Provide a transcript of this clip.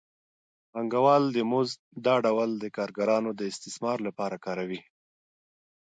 پانګوال د مزد دا ډول د کارګرانو د استثمار لپاره کاروي